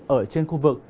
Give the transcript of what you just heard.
ở trên khu vực